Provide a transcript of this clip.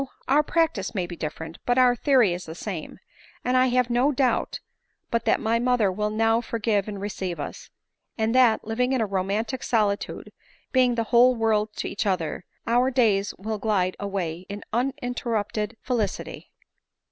Our practice may be different, but our theory is the same, and I have no doubt but that my mother will now forgive and receive us ^ and that, living in a roman tic solitude, being the whole world to each other, our days will glide away in uninterrupted felicity."